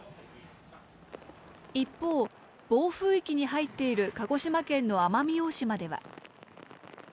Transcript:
一方、暴風域に入っている鹿児島県の奄美大島では。